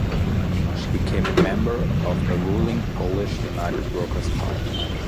She became a member of the ruling Polish United Workers' Party.